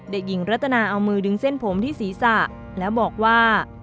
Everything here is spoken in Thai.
เด็กหญิงรัตนาเอามือดึงเส้นผมที่ศีรษะแล้วบอกว่า